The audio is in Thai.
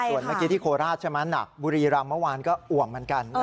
ส่วนเมื่อกี้ที่โคราชใช่ไหมหนักบุรีรำเมื่อวานก็อ่วมเหมือนกัน